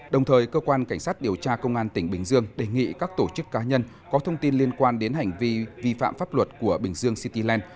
đồng thời cơ quan cảnh sát điều tra công an tỉnh bình dương đề nghị các tổ chức cá nhân có thông tin liên quan đến hành vi vi phạm pháp luật của bình dương cityland